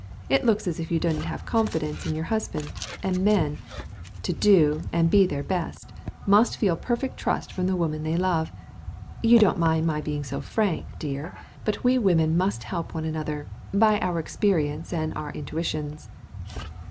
It looks as if you didn't have confidence in your husband, and men, to do and be their best, must feel perfect trust from the woman they love. You don't mind my being so frank, dear, but we women must help one another by our experience and our intuitions."